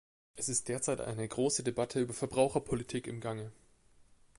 Es ist zurzeit eine große Debatte über Verbraucherpolitik im Gange.